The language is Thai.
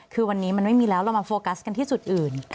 คือวันนี้มันไม่มีแล้วเรามาโฟกัสกันที่จุดอื่น